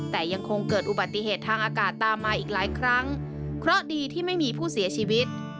แต่ยังคงเกิดอุบัติเหตุทางอากาศตามมาอีกหลายครั้งเพราะดีที่ไม่มีผู้เสียชีวิต